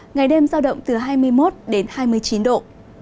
ngày đêm giao động từ hai mươi một đến hai mươi chín độ